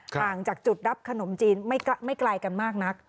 ห่างจากจุดรับขนมจีนไม่ไกลกันมากนัก